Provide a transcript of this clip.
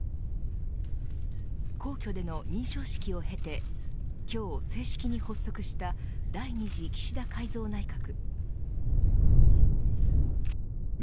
皇居での認証式を経て今日、正式に発足した第２次岸田改造内閣。